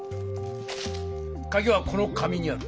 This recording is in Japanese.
カギはこの紙にある。